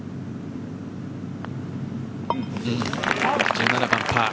１７番パー。